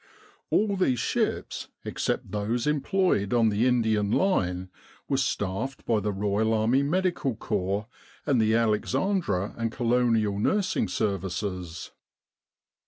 All these ships, except those employed on the Indian line, were staffed by the Royal Army Medical Corps and the Alexandra and Colonial Nursing Services.